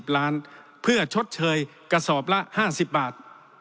ล้านเพื่อชดเชยกระสอบละ๕๐บาท